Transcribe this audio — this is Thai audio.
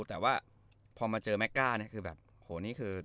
แต่ว่าพอมาเจอแม็กก้าเนี่ยคือแบบโหนี่คือ